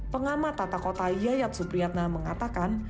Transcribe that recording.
pengamat tata kota yayat supriyatna mengatakan